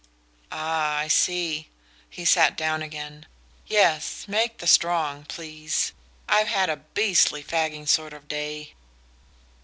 "Ah, I see." He sat down again. "Yes, make the strong, please. I've had a beastly fagging sort of day."